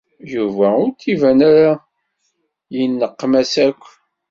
Yuba ur d-iban ara yenneqmas akk.